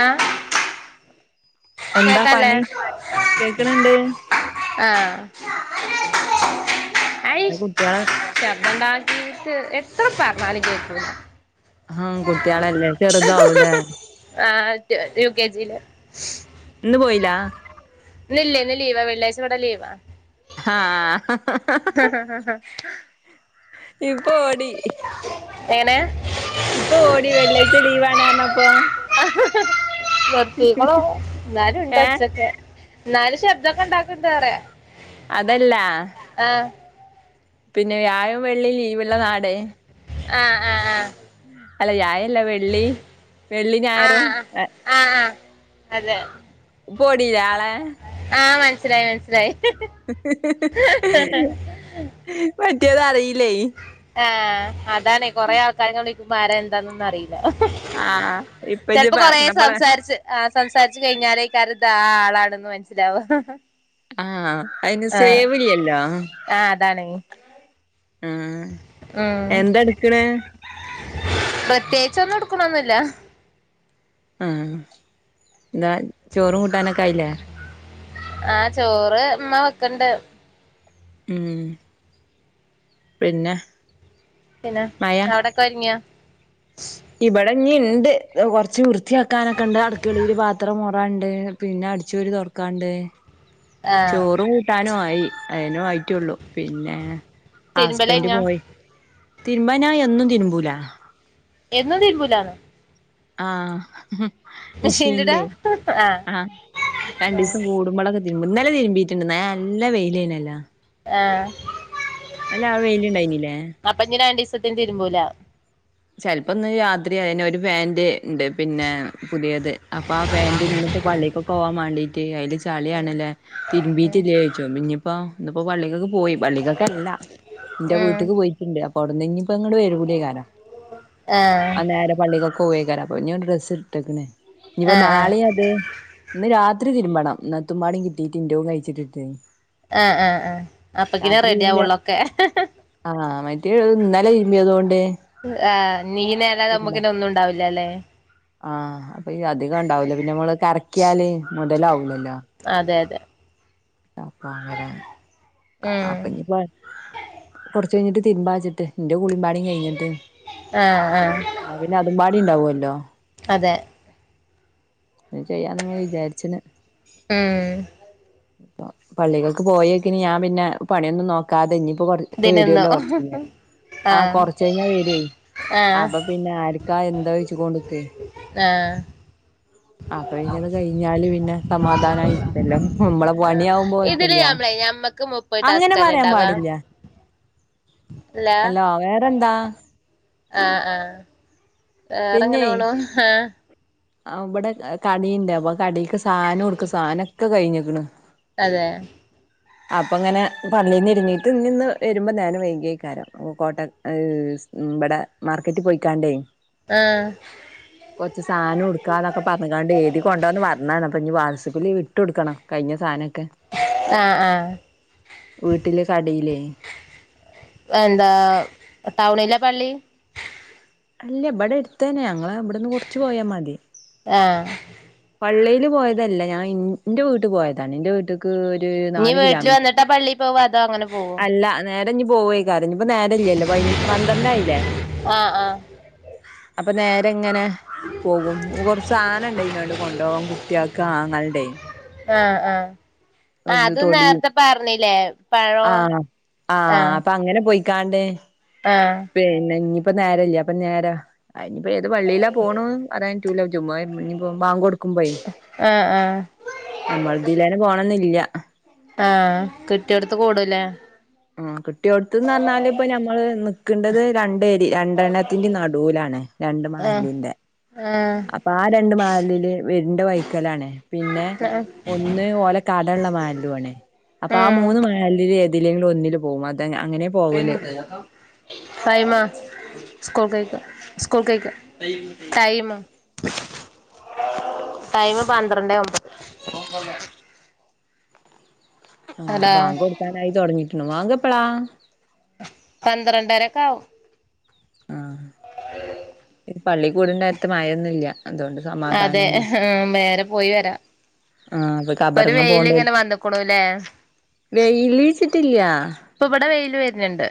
ആ എന്താ കേക്കല്ലേ പണി കേക്കണണ്ട് ആ ആയി എന്താ കുട്ടികളെ ശബ്ദണ്ടാക്കി എത്ര പറഞ്ഞലും കേൾക്കുല ഉം കുട്ടികളല്ലേ ചെറുതാവാവൂലേ ആഹ് യു കെ ജിയില് ഇന്ന് പോയില്ല ഇന്ന് ഇല്ല ഇന്ന് ലീവാ വെള്ളിയാഴ്ച ഇവിടെ ലീവാ ആഹ ഹാ ഇപ്പൊ ഓടി എങ്ങനെ ഇപ്പൊ ഓടി വെള്ളിയാഴ്ച ലീവാന് പറഞ്ഞപ്പോ നിർത്തികുനു എന്നാലും ഇണ്ട് ഏ ഓച്ചൊക്കെ എന്നാലും ശബ്ദക്കെ ഉണ്ടക്കണ്ടവിടെ അതല്ലാ പിന്നെ വ്യാഴം വെള്ളി ലീവുള്ള നാട് ആ ആ ആ അല്ല യായം ല്ല വെള്ളി വെള്ളി ഞായറും ആഹ് എ ആഹ് ആഹ് അതെ ഇപ്പ ഓടിലെ ആളെ മസിലായി മനസിലായി [unintelligible] മറ്റേദ് അറീലെ ആ അത് അതാനെ കുറേ ആൾക്കായതോണ്ട് കുമാരെ എന്താന്ന് ഒന്ന് അറിയി ആഹ് ഇപ്പൊ ഇജ്ജ് ചിലപ്പോ കൊറെ പറഞ്ഞപ്പളാ സംസാരിച്ച് ആ സംസാരിച്ച് കഴിഞ്ഞാലേ കരുത ആ ആളാണെന്ന് മനസ്സിലവാ ആ അയിന് സേവ് ഇല്ലല്ലോ ആ അതാണ് ഉം ഉം എന്ത എടുക്കണ് ചെന്നു എടുക്കൊനൊന്നില്ല ആ എന്താ ചോറും കൂട്ടാനൊക്കെ ആയില്ലേ ആ ചോറ് ഉമ്മ വെക്ണ്ട് ഉം പിന്നെ പിന്നെ മയ അവിടൊക്കെ ഒരുങ്ങിയ ഇവിടെ ഇണ് ഇണ്ട് കൊറച്ച് വൃത്തിയാക്കാനൊക്കെ ക്കണ്ട് അടുക്കളിയില് പാത്രം മോറ പണ്ട് പിന്നെ അടിച്ചുവാരി തുടയ്ക്കാണ്ട് ആ ചോറ് കൂട്ടാനും ആയി അയെന്നെ ആയിട്ടുള്ളു പിന്നെ തിരുമ്പല് ഹസ്ബൻഡ് കഴിഞ്ഞോ പോയി തിരുമ്പനായ് എന്നും തിരുമ്പൂല എന്നും തിരുമ്പുലാന്നോ ആ മെഷീനിലിടാ മെഷീൻലെ ആ രണ്ടുദീസം കൂടുമ്പളാ ഇന്നലെ തിരുമ്പിയിട്ടുണ്ട് നല്ല വെയിലേനല്ലാ ആ ഇന്നലെ അവിടെ വെയിലിണ്ടായിനില്ലേ അപ്പൊ ഇനി രണ്ടീസത്തിന് തിരുമ്പൂല ചെലപ്പോന്ന് രാത്രി ആയിന് ഒരു പാന്റ് ഉണ്ട് പിന്നെ പുതിയത് അപ്പൊ ആ പാന്റ് ഇന്നിപ്പോ പള്ളിക്കൊക്കെ പോവാൻ വേണ്ടീട്ട് അതില് ഉം ചളിയാണല്ലേ ഉം തിരുമ്പീട്ടില്ലേ ചോയിച്ചു അപ്പം ഇനിപ്പം പള്ളിക്കൊക്കെ പോയി പള്ളികൊക്കെല്ല എന്റെ ഉം വീട്ടിക്ക് പോയിട്ടുണ്ട് കൊടന്നെങ്കി ഇപ്പ ഇങ്ങള് വരുല്ലേ ഞാനാ ആ കോയേക്കാരപ്പ പൊരിഞ്ഞോട് ഡ്രസ്സ് ഇട്ടെക്ക്ണ് ഇനീയിപ്പ ആ ആ നാളെയത് ഇന്ന് രാ രാത്രി തിരുമ്പണം ഇന്നത്തുമ്പാടെ കിട്ടിട്ടിണ്ട് അഴിച്ചിട്ടിണ്ട് ആ ആ ആ അപ്പക്കിനെ രാത്രി റെഡി വല്ല്യ ആവുള്ളൊക്കെ ആഹ മറ്റേ ഇന്നലെ തിരുമ്പിയതുകൊണ്ട് ആഹ്നീനേരാത നമ്മുകൊന്നും ണ്ടാവില്ല ലേ [inaudible] ആഹ്ഹ [unintelligible] [unintelligible] അധികം ഉണ്ടാവുല പിന്നെ നമ്മള് കറക്കിയാലെ ഇടലാവുലല്ലോ അതെ തെ അപ്പാണത് ഉം അപ്പഞ്ഞ്പ [unintelligible] കുട് കഴിഞ്ഞിട്ട് തിരുമ്പാച്ചിട്ട് ന്റെ കുളിമ്പാടീംകഴിഞ്ഞിട്ട് ആഹ് ആഹ് എന്നാ പിന്നെ അതും പാടി ഉണ്ടാവല്ലോ അതെ ന്ന്ചെയ്യാന്ന്‌ങ്ങെ വിചാരിച്ണ് ആഹ് ഇപ്പൊ പള്ളിക്കക്ക് പോയൊക്കിന് ഞാൻ പിന്നെ പണിയൊന്നും നോക്കാതെ ഇഞ്ഞി ഇപ്പൊ കൊ ഇപ്പ ഇതിനൊന്നു വരുല്ലോ കൊറച്ച കഴിഞ്ഞാ ആ ആഹ് കൊറച്ച കഴിഞ്ഞാ വര്യേ ആഹ് അപ്പൊ പിന്നെ ആർക്കാ എന്തായ്ച്കോണ്ട് കെയ് ആഹ് അപ്പൊ പിന്നത് കഴിഞ്ഞാല് പിന്നെ സമാധാനമായിരിക്കല്ലോ നമ്മളെ പണിയാകുമ്പോഴപ്പല്ല ക്ക് മുപ്പഹ് ടാസ്കല്ലണ്ടവാ ഹലോ വേറെന്താ ആഹ് ആഹ് വേറെങ്ങനെ വേണോ ഉം ആ ആ ഉബ്വിടെ കടീണ്ട് അപ്പ കട സാനോട്ക്ക സാനൊക്കെ കഴിഞ്ഞിണ് [inaudible] അതെ അപ്പ ങ്ങനെ പള്ളീന്ന് ഇരിങ്ങീട്ട് ഇ ഇന്ന് വരുമ്പോ ഞൻ വൈകിയായി കാരം കോട്ട ഇബടെ മാർക്കറ്റ് പോയിക്കാണ്ടേ ആഹ് കൊറ്ച്ച് സാ നോട്ക്കാന്നൊക്കെ പറഞ്ഞത് കണ്ട് എഴുതി കൊണ്ടോന്ന് പറഞ്ഞതാണ് അപ്പൊ ഇനി വാട്സപ്പില് വിട്ടൊടുക്കണം കഴിഞ്ഞ സാനൊക്കെ ആഹ്ആഹ് വീട്ടില് കടയിലേ എന്താ ടൗണില പ്പള്ളി അല്ല ഇബടെ എടുത്തെന്നെ ഞങ്ങളെ ഇബ്ടെന്ന് കൊറ്ച്ച്പോയാ മതി ആഹ് പള്ളിയിൽ പോയതല്ല ഞാൻ ഇൻ്റെ വീട്ട്ക്ക് പോയതാണ് ൻ്റെ വീട്ടിക് ഞ്ഞ് വീട്ടില് വന്നിട്ട പള്ളി പോവ അതോ അങ്ങനെ പോവോ അഞ്ഞ പോവയ് ഇപ്പ നേര ഇല്ലല്ലോ പന്ത്രണ്ടായില്ലേ ആഹ് ആഹ് അപ്പൊ നേരെ അങ്ങനെ പോകും കുറച്ച് സാധന ഇണ്ട അതിനോട് വിഭം കുട്ടിയക്ക ആങ്ങളുടെേ ആഹ ആഹ ആ അത് തൊടിയും നേരത്തെ പറഞ്ഞില്ലേ പഴം ആഹ കാണ്ട് പിന്നെ ഇപ്പൊ നേരല്ല അപ്പൊ നേര അയിനിയിപ്പ ഏത് വള്ളിയിലാ പോണ് അതായ [unintelligible] ബാങ്ക് കൊടുക്കുമ്പയ് ആഹ് ആഹ് നമ്മളെ തീലെന്നെ പോണംന്നില്ല്യ. ആഹ് കിട്ടിയോട്ത്ത് കൂടുലേ. ആ കിട്ടിയോട്ത്ത്ന്ന് പറഞ്ഞാല് ഇപ്പ ഞമ്മള് നി ക്കണ്ടത് രണ്ടേരി രണ്ടെണ്ണത്തിൻ്റിം നടൂലാണ്. രണ്ട് ആഹ് മഹല്ലിന്റെ ആഹ് അപ്പ ആ രണ്ട് മഹല്ലില് വര് ണ്ട് വൈക്കലാണ്. പിന്നെ ഒന്ന് ഓല കട ഇള്ള മഹല്ലും ആണ്. അപ്പൊ ആ മൂന്ന് ഉം മഹല്ലിലും എര് തിലേങ്കിലും ഒന്നില് പോവും അധി തൻ അങ്ങനെ പോവല്. ടൈമ സ്കൂൾക്കോയ്ക്ക സ്കൂൾക്കോയ്ക്ക ടൈമ് ടൈമ് പന്ത്രണ്ടേ ഒമ്പത് ആഹ് അതാ ബാങ്ക് കൊടുക്കാനായി തൊടങ്ങി. വാങ്കെപ്പളാ പന്ത്രണ്ടരക്കെ ആവും. ആഹ് ഈ പള്ളി കൂടണ്ടേരത്ത് മയൊന്നൂല്ല്യ അതെ ആ വേറെ പോയി വരാം. ആ അത് ഇപ്പൊ ഒരു കബറങ്ങ് വെയില് പോണ്ടേ ഇങ്ങനെ വന്ന്ക്കുണുല്ലേ വെയില് ട്ടില്ല്യാ ഇപ്പ ഇവിടെ വെയിൽ വെരുന്നുണ്ട്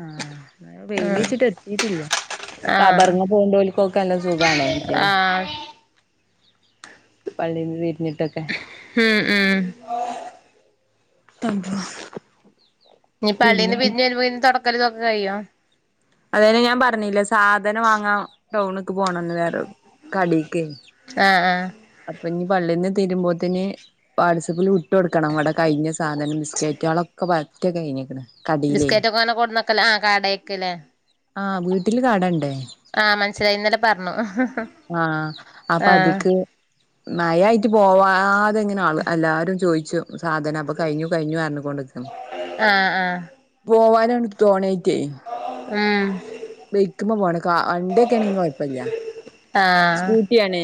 ആ വെയില് ഇച്ചീട്ട് എത്തീട്ടില്ലാ ആഹ് കബറിങ്ങ് പോവുണ്ടോൽക്കൊക്കെ നല്ല സുഖാണേ എനിക്ക് ആഹ് പള്ളീന്ന് വീട്ടിലേ ഉം ഉം അതോ ഇനി പള്ളീന്ന് പിരിഞ്ഞ് വരുമ്പോ ഇനി തൊട [unintelligible] കയ്യോ? അതേന് ഞാൻ പറഞ്ഞില്ലേ സാധനം വാങ്ങാ ടൗണ്ക്ക് പോണന്ന് വേറ കടേക്ക് ആഹ് ആഹ് അപ്പോ ഇനി പള്ളീന്ന് തീരുമ്പോത്തിന് വാട്സപ്പില് വിട് ഇട്ട് കൊടുക്കണം ഇവിടെ കഴിഞ്ഞ സാധനം ലിസ്റ്റയക്കാനൊള്ള ഒക്കെ പര് റ്റ കയിഞ്ഞേക്കണ്. ബിസ്കറ്റ് ഒക്കെ നല്ല കൊണ്ടുവക്കലാ ആ കടേക്ക്‌ലെ ആഹ് വീട്ടില് കട ഇണ്ടേ. ആ മനസ്സിലായി ഇന്നലെ പറഞ്ഞു ആ മയ ആയിട്ട് പോവാ ഇതെങ്ങനെ അള് എല്ലാരും ചോയി സാധനം അപ്പ കഴിഞ്ഞു കഴിഞ്ഞു പറഞ്ഞ് കൊണ്ട് നിക്ക്‌ന്ന് ആഹ് ആഹ് പോവൻ ഇതാണ് തോണയ് ക്ക്‌ ഉം ബൈക്ക് ഇപ്പ പോണ് കാ വണ്ടിയൊക്കൊണെങ്കി കൊയപ്പില്ല ആഹ് സ്കൂട്ടിയാണ്.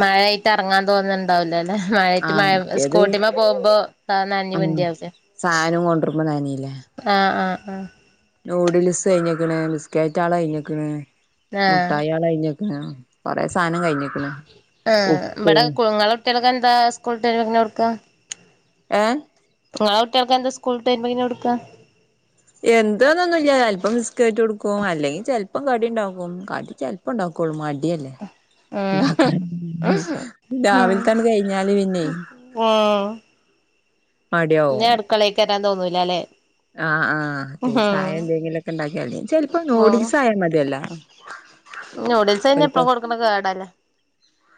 മഴയായിട്ട് എറങ്ങാൻ തോന്നുന്നുണ്ടാവില്ലല് മഴയായിട്ട് ആഹ് മഴ മറ്റേത് സ്കൂട്ടിമ്മ പോകുമ്പോ ത നനഞ്ഞ് ഉം പിണ്ടിയാകട്ടെ, സാധനം കൊണ്ടരുമ്പോ നനീല്ലേ ആ ആ ആ നൂഡിൽസ് കഴിഞ്ഞേക്കണ് ബിസ്കറ്റാള് കഴിഞ്ഞേക്കണ്. ആഹ് ആഹ് മുട്ടായാള് കഴിഞ്ഞേക് [unintelligible] കൊറെ സാനം കഴിഞ്ഞേക്കണ്. ആ ഉപ്പ് ഇബടെ കുങ്ങള കുട്ടിൾക്ക് എന്താ സ്കൂൾ വിട്ട് [unintelligible] കൊടുക്ക. ഏ നിങ്ങളെ ഒട്ടികൾക്ക് എന്താ സ്കൂൾ വിട്ടുരുമ്പോ [unintelligible] കൊടുക്ക. എന്തോന്നൊന്നുല്ല ലപ്പം ബിസ്ക്കറ്റ് കൊടുക്കും അല്ലെങ്കിൽ ചെലപ്പം കടി ഇണ്ടാക്കും, കടി ചെലപ്പം ഇണ്ടാക്കുള്ളൂ, മടിയല്ലേ. ഇണ്ടാക്കാൻ ഉം രാവിലത്തെ അങ്ങ് കഴിഞ്ഞാല് പിന്നെ പിന്നെ അടുക്കളെക് വരാൻ തോന്നൂല്ല അല്ലെ. ആഹ ആ അതേ ചായ എന്തെങ്കിലും ഓക്കെ ഉണ്ടാക്കിയാലെ ചിലപ്പോ ന്യൂഡിൽസ് ആയാലും മതിയല്ലോ. [unintelligible] ന്യൂഡിൽസ് തന്നെ ഇപ്പോ ഓൽക്ക് കൊടുക്കുന്നത് കേടല്ലേ.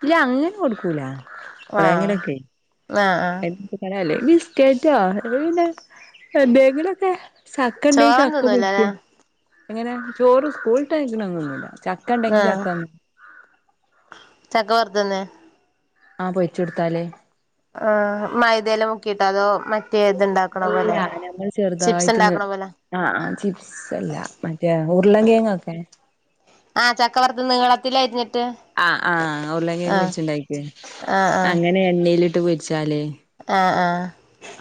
ഇല്ല അങ്ങനെ കൊടുക്കൂല ആഹ് എപ്പോഴെങ്കിലുമൊക്കെ ആഹ് ആഹ് [unintelligible] ബിസ്കറ്റോ അല്ലങ്കിൽ പിന്നെ എന്തെങ്കിലൊക്കെ ചക്ക ഉണ്ടെങ്കിൽ ചോറൊന്നും ചക്ക തിന്നൂലല്ലേ പെരിക്കും എങ്ങനെ ചോറ് സ്കൂൾടാ കഴിക്കുന്നില്ല ചക്ക ഉണ്ടെങ്കി ആഹ് ചക്ക ചക്ക വർത്തിന്നെ ആഹ പൊരിച്ച്കൊടുത്താല് ആ മൈദയിൽമുക്കിയിട്ടോ അതോ മറ്റേ ഇത് ഇണ്ടാക്കണ പോലെ അല്ല ഞമ്മൾ ചിപ്സ് ചെറുതായിട്ട് ഇണ്ടാക്കണ പോലെ ആ ചിപ്സ് അല്ല മറ്റേ ഉർ കിഴങ്ങ് ഓക്കെ അത് നീളത്തിൽ അരിഞ്ഞിട്ട് ആ ആ ആഹ് ഉർളകിഴങ്ങ്‌വെച്ചുണ്ടാ കിട്ട് ആഹ് ആഹ് അങ്ങനെ എണ്ണയിലിട്ട് പൊരി [unintelligible] ആഹ് ആഹ്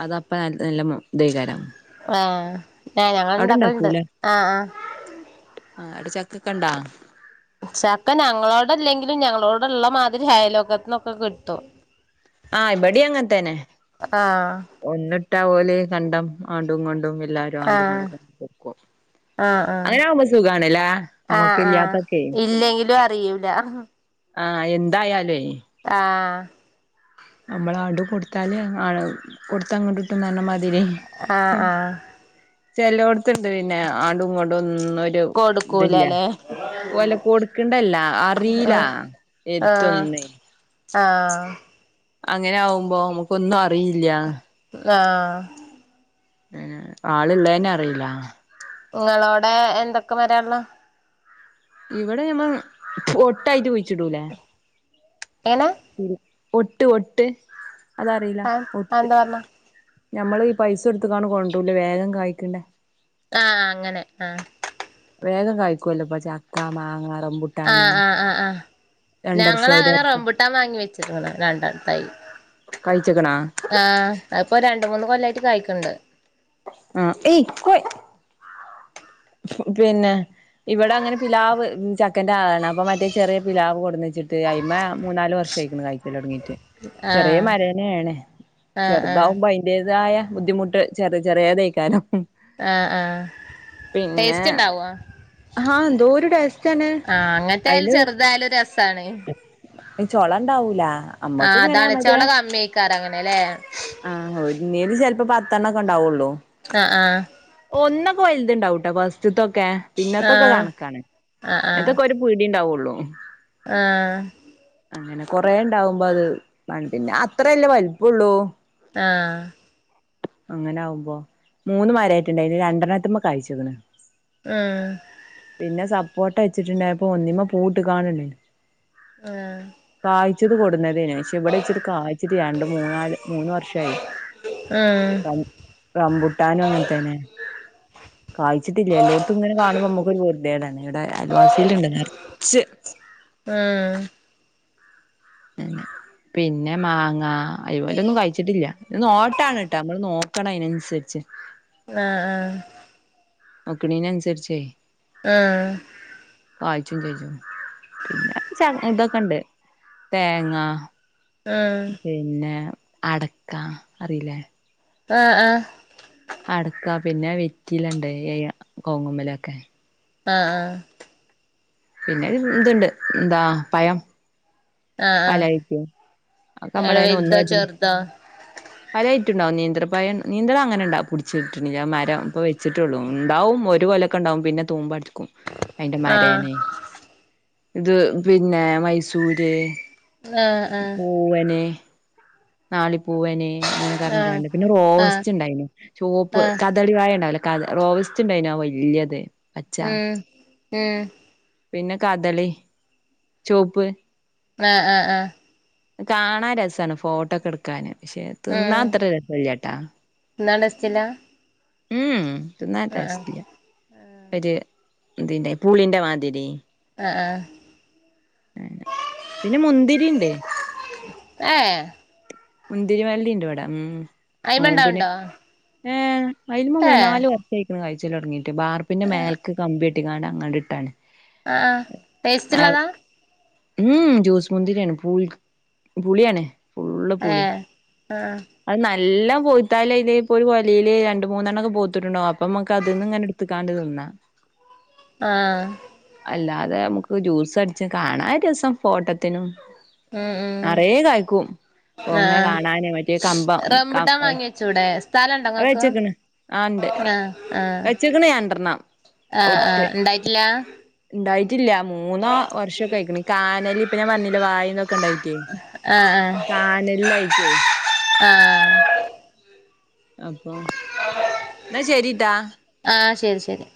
അതെ അപ്പ [unintelligible] നല്ല മ് ഇതയി കാരം ആഹ് ആ ഞങ്ങള് ഇണ്ടാക്കലിണ്ട് ആഹ് ആഹ് ആ അവിടെ ചക്കക്കെ ഇണ്ടാ ചക്ക ഞങ്ങളോട് അല്ലെങ്കിലും ഞങ്ങളോട് യുള്ള മാതിരി അയലുവക്കത്തുന് ഒക്കെ കിട്ടും ആ ഇവിടെയും അങ്ങനെ തന്നെ ആഹ് ഒന്നിട്ടാൽ ഒ - [unintelligible] കണ്ടം ആണ്ടും കൊണ്ടും- എല്ലാരും അങ്ങ്ടും ഇങട്ടും ആഹ് ഒക്കെ കൊടുക്കും ആഹ് ആഹ് അങ്ങനെ ആവുമ്പോ സുഖാണല്ലേ നമ്മുക്ക് ആഹ് ആഹ് ഇല്ലാത്തൊക്കെ- ഇല്ലെങ്കിലും അറിയൂല ആഹ് ആ എന്തായാലുവേ ആഹ് നമ്മള് അടു കൊടുത്താല് കൊടുത്ത അങ്ങോട്ടിട്ട്ന്ന [unintelligible] പറഞ്ഞമാതിരി ആഹ് ആഹ് ചെലോട്ത്ത്ണ്ട് പിന്നെ ആടും ഇങ്ങ്ടും ഒന് ഒരു ഇതില്ല കൊടുക്കൂലല്ലേ ഓല കൊടുക്കണ്ടല്ല അറീല ആഹ് ആഹ് എടുത്തൊന്ന് [unintelligible] ആഹ്. അങ്ങനെ ആവുമ്പോ നമുക്കൊന്നും അറിയില്യ. ആഹ്. ആള് ഇള്ളെന്നെ അറിയില്ല. നിങ്ങളോടെ എന്തൊക്കെ വരാ ഒള്ളെ ഇവിടെ മ്മ ഒട്ടായിറ്റ് പോയി ചിടൂലേ? എന പി ഒട്ട് ഒട്ട്. ആഹ് അത് എന്താ പറഞ്ഞ നമ്മള് ഈ പൈസ എടുത്ത്ക്കാണ് കൊണ്ടൂല്ലേ വേഗം കായ്ക്കണ്ടേ? ആ അങ്ങനെ ആ വേഗം കായ്ക്കുവല്ലോ ഇപ്പ ചക്ക മാങ്ങ ആ റംബുട്ടാന് ആ ആ ആഹ് രണ്ടർഷം ഒരു ഞങ്ങളങ്ങനെ വർഷം റംബുട്ടാൻ വാങ്ങി വെച്ചിരുന്നതാ രണ്ട് തൈ കഴിച്ചക്കണാ ആഹ അപ്പോ ര മൂന്ന് കൊല്ലായിട്ട് കായ്ക്ക്ണ്ട്. ആ ഏയ്‌ കോയ് മ് പിന്നെ ഇവിടെ അങ്ങനെ പിലാവ് ച പക്കൻ്റെ ആണ് അം മറ്റേ ചെറിയ പിലാവ് കൊടുന്ന് വെച്ചിട്ട് അയ്മേ മൂന്നാല്ർഷായിക്ക്ണ്‌ കായ്ക്കല് തുടങ്ങി- റ്റ് ചെറിയ ആഹ് മഴേനയാണ് ആഹ് ആഹ് ചെറുതാവുമ്പോ അതിന്റേതായ ബുദ്ധിമുട്ട് ചെറിയ ചെറിയതായിക്കാല്ലോ ആഹ് ആഹ് ടേസ്റ്റ്ണ്ടാവോ ഹാ എന്തോരു ടേസ്റ്റ്ന്നെ അങ്ങനത്തെ ആയാലും അയില് ചെറുതായാലും രസാണ് ഇനി ചൊള ഉണ്ടാവൂലാ. ആ അതാണച്ചോള കമ്മിക്കാറ് അങ്ങനെല്ലേ ത്തെണ്ണം കെണ്ടാവുള്ളോ ആഹ് ഒന്നക്കെ വലതുണ്ടാവും ഫസ്റ്റ്‌തെയൊക്കെ പിന്നത്തൊക്കെ ആഹ് കാണക്കാണ് ഇങ്ങത്തൊക്കെ ഒരു പീടി ഉണ്ടാവുള്ളൂ ഉള്ളു ആ അങ്ങനെ കൊറേ ഉണ്ടാവുമ്പോ അത് പിന്നെ അത്രയല്ലേ വലിപ്പം ഉള്ളൂ ആ അങ്ങന ആവുമ്പോ മൂന്ന് മരായിട്ടുണ്ടായിന് രണ്ടെണ്ണംത്തുമ്പോ കഴചിക്കണേ ഉം പിന്നെ സപ്പോർട്ട വെച്ചിട്ടുണ്ടായപ്പോ ഒന്നിമ്മ പൂവിട്ട് കാണണ്ടേ ആ ച്ചത് കെടുന്ന പക്ഷെ ഇവിടെ ഇച്ചിരി കായ്ചിട്ട് മൂന്നാല് മൂന്ന വർഷായി റ റമ്പുട്ടാനും അങ്ങന തന്നെ കായിച്ചിട്ടില്ല എല്ലായിടത്തും ഇങ്ങെ കാണുമ്പോ നമ്മക്ക് നമ്മുക്ക് ഒരു പൂർത്തികേടാണ് അലവാസിയിലുണ്ട് നിറച്ച് പിന്നെ മാങ്ങ ഐമോലൊന്നും ഒന്നും കഴിച്ചിട്ടില്ല നോട്ടാണട്ടാ നമ്മള് നോക്കണം അതിനനുസരിച്ച് ആ ആ ക്ക്‌ണീനനുസരിച്ചേ ആ ഇജ്ജ് ഇതൊക്കെണ്ട് തേങ്ങ ഉം ഉം ഉം പിന്നെ അടക്ക, അറിയില്ലേ? ആ ആ അടക്കാ പിന്നെ വെറ്റിലണ്ട് കോവ്‌ങ്ങ് മേലൊക്കെ ആ ആ പിന്നെ ഇ ഇത്ണ്ട് എന്താ പയം ആ ആ ഒക്കെ എടെ നമ്മളതിനെ വലുതെ ചെറ്തൊ? റ്റുണ്ടാവും നേത്രപഴ നേന്ത്ര അങ്ങനെ ഉണ്ടാ പുട്ച്ച് കിട്ട്ണ്‌ല്ല മരം ഇപ്പം വെച്ച്ട്ടൊള്ളു ഇണ്ടാവും ഒരു കൊലൊക്കേണ്ടാവും പിന്നെ തൂമ്പാട് ക്കും അയിന്റെ ആഹ് മരേനേ ഇത് പിന്നെ മൈസൂര് ആഹ് ആഹ് പൂവന് ഞാലിപൂവന് ആഹ് അങ്ങനെക്കേറഞ്ഞ്ക്കാണ്ട് പിന്നെ ആഹ് റോവസ്റ്റ്ണ്ടായിന് ചോപ്പ് ആഹ് കദളി വായ ഇണ്ടാവൂല്ലേ കദ റോവസ്റ്റ്ണ്ടായിനാ വല്ല്യത് പച്ചാ ഉം ഉം പിന്നെ കദളി ചോപ്പ് ആ ആ ആ കാണാൻ രസാണ് ഫോട്ടോക്കെട്ക്കാന് പക്ഷെ തിന്നാ ഉം അത്ര രസല്ലാട്ടാ എന്നാ ഡസ്റ്റില്ല മ്മ് മ്മ് തിന്നാൻ ആഹ് ആഹ് ടെസ്റ്റ്‌ ഇല്ല ഇതിന്റെ പൂളിന്റെ മാതിരി ആ ആ പിന്നെ മുന്തിരിണ്ട് ഏ മുന്തിരിവള്ളിണ്ട് ഇവേടെ ഉം അയ്മണ്ടാവ്ണ്ടോ ഏ അയിമ മൂന്നാല് വെട്ടായിക്ക്ണ് കാ ച്ചലോടെങ്ങി വാർപ്പിൻ്റെ മേൽക്ക് കമ്പി [unintelligible] ആ ആ ടേസ്റ്റ്ള്ളതാ ഉം ജ്യൂസ്മുന്തിരിയാണ് [unintelligible] പുളിയാണ് ഫുൾ ആ ആ [unintelligible] ആഹ് അല്ലാതെ നമുക്ക് ജ്യൂസ് അടിച്ച് കാണാ രസം ഫോട്ടത്തിനും നിറയെ കായ്ക്കും ഓഹ് ഇങ്ങനെ ആഹ കാണാന് മറ്റേ കമ്പം കം റംബുട്ടാൻ വാങ്ങി വെച്ചൂടെ അത് സ്ഥലണ്ടോങ്ങക്ക് വെച്ച്ക്ക്ണ് ആഹ് ഇണ്ട് ആഹ ആഹ വെച്ച്ക്ക്ണ് രണ്ടെണ്ണം ആഹ ആഹ ഉണ്ടായിട്ടില്ല ണ്ടായി [unintelligible] മൂന്നോ, വർഷക്കയിക്കണ് [unintelligible] [unintelligible] വായിന്നൊക്കെ ഉണ്ടായിട്ടേ ആ അപ്പൊ എന്നാ ശരിട്ടാ ആഹ് ശരി ശരി